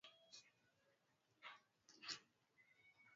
Cha habari au kuletwa hapo na mwandishi ambapo ilipigwa chapa